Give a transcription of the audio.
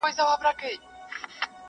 خو زړې کيسې ژوندۍ پاتې دي,